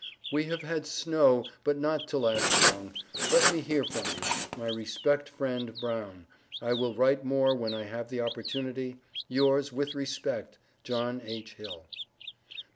We have had snow but not to last long. Let me hear from you. My Respect friend Brown. I will write more when I have the opportunity. Yours with Respect, JOHN H. HILL.